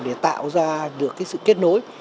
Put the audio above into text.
để tạo ra được sự kết nối